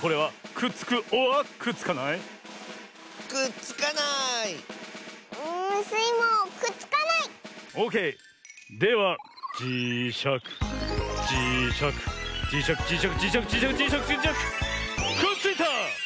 くっついた！